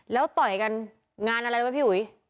แล้วต่อยกันงานอะไรนะพี่หุย